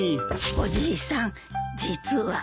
おじいさん実は。